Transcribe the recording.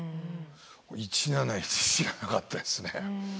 １７１知らなかったですね。